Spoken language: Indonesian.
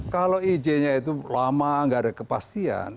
kalau izinnya itu lama nggak ada kepastian